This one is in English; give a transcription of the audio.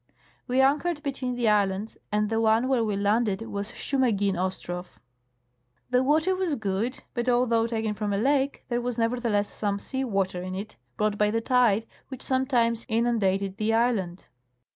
We anchored between the islands, and the one where we landed was Schoumagin Ostrow. The water was good, but although' taken from a lake, there was, nevertheless, some sea water in it brought by the tide, which sometimes inundated the island.